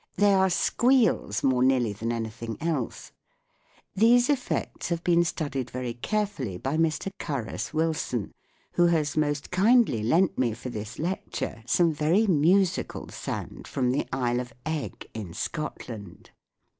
They are squeals more nearly than anything else. These effects have been studied very carefully by Mr. Carus Wilson, who has most kindly lent me for this lecture some very musical sand from the Isle of Eigg in Scotland.